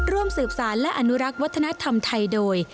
ร่วมสืบสารและอนุรักษ์วัฒนธรรมไทยโดย